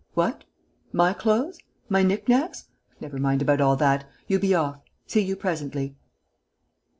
What?... My clothes? My knick knacks?... Never mind about all that.... You be off. See you presently."